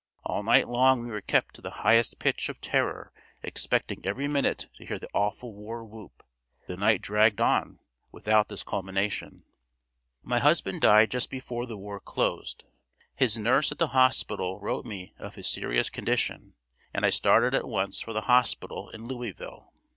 All night long we were kept to the highest pitch of terror expecting every minute to hear the awful war whoop. The night dragged on without this culmination. My husband died just before the war closed. His nurse at the hospital wrote me of his serious condition and I started at once for the hospital in Louisville.